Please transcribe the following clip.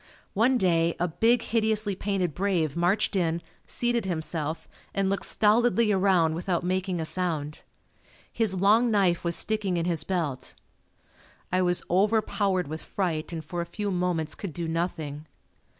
One day a big hideously painted brave marched in, seated himself and looked stolidly around without making a sound. His long knife was sticking in his belt. I was overpowered with fright and for a few moments could do nothing.